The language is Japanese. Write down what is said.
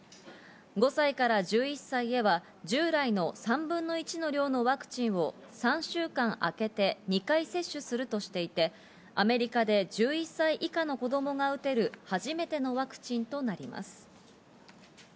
５歳から１１歳へは従来の３分の１の量のワクチンを３週間あけて２回接種するとしていて、アメリカで１１歳以下の子供が打てる初めてのワクチンとなります。